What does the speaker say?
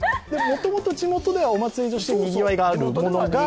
もともと地元ではお祭りとしてにぎわいのあるものが？